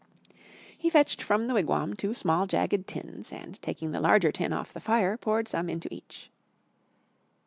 He fetched from the "wigwam" two small jagged tins and, taking the larger tin off the fire, poured some into each.